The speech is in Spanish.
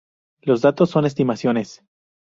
Los datos son estimaciones.